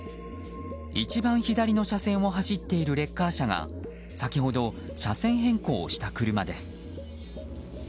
一番左の車線を走っているレッカー車が先ほど、車線変更をした車です。